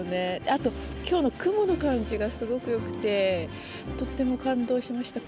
あと、きょうの雲の感じがすごくよくて、とっても感動しました。